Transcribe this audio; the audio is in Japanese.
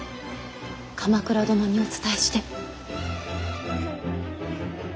鎌倉殿にお伝えして。